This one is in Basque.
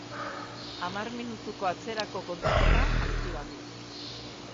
Hamar minutuko atzerako kontaketa aktibatu